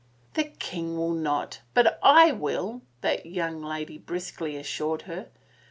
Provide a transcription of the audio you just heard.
" The king will not — but / will I " that young lady briskly assured her.